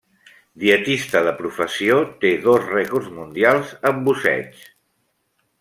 Dietista de professió, té dos rècords mundials en busseig.